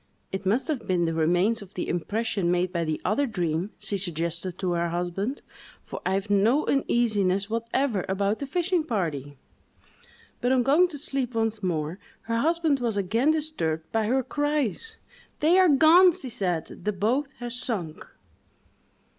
—"It must have been the remains of the impression made by the other dream," she suggested to her husband, "for I have no uneasiness whatever about the fishing party." But on going to sleep once more, her husband was again disturbed by her cries: "They are gone!" she said, "the boat has sunk!"